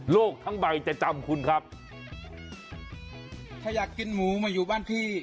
ทั้งใบจะจำคุณครับถ้าอยากกินหมูมาอยู่บ้านพี่